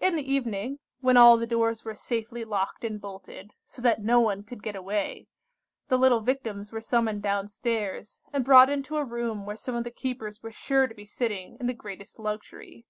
"In the evening, when all the doors were safely locked and bolted, so that no one could get away, the little Victims were summoned down stairs, and brought into a room where some of the keepers were sure to be sitting in the greatest luxury.